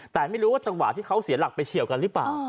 แต่ไม่รู้ว่าจังหวะที่เขาเสียหลักไปเฉียวกันหรือเปล่า